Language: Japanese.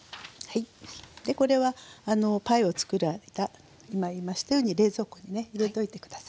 これはパイをつくる間今言いましたように冷蔵庫にね入れておいて下さい。